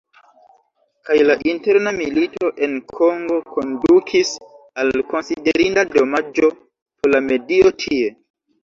Kaj la interna milito en Kongo kondukis al konsiderinda damaĝo por la medio tie.